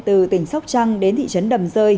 từ tỉnh sóc trăng đến thị trấn đầm rơi